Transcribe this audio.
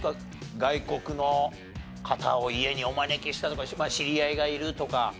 外国の方を家にお招きしたとか知り合いがいるとか。